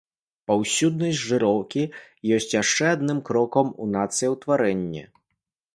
Паўсюднасць жыроўкі ёсць яшчэ адным крокам у нацыяўтварэнні.